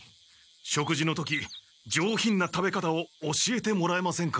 食事の時上品な食べ方を教えてもらえませんか？